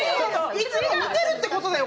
いつも見てるってことだよ！